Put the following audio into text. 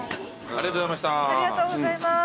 ありがとうございます。